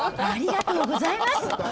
ありがとうございます。